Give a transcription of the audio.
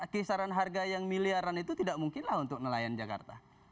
kisaran harga yang miliaran itu tidak mungkinlah untuk nelayan jakarta